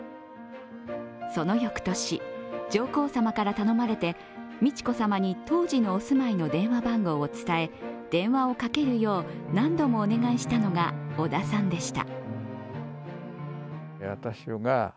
その翌年、上皇さまから頼まれて美智子さまに当時のお住まいの電話番号を伝え、電話をかけるよう何度もお願いしたのが織田さんでした。